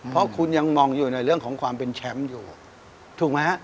เพราะคุณยังมองอยู่ในเรื่องของความเป็นแชมป์อยู่ถูกไหมฮะ